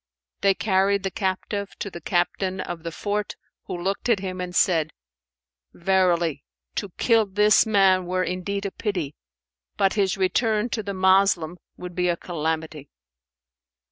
They carried the captive to the Captain of the fort, who looked at him and said, "Verily, to kill this man were indeed a pity; but his return to the Moslem would be a calamity."